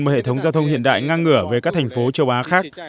một hệ thống giao thông hiện đại ngang ngửa về các thành phố châu á khác